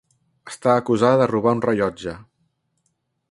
Està acusada de robar un rellotge.